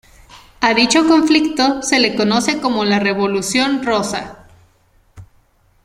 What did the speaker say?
A dicho conflicto se le conoce como la Revolución Rosa.